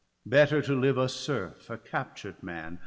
Better to live a serf, a captured man.